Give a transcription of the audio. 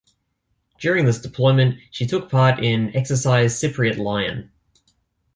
During this deployment, she took part in Exercise Cypriot Lion.